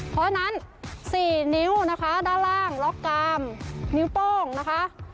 เพราะฉะนั้น๔นิ้วนะคะด้านล่างล็อกกามนิ้วโป้งนะคะ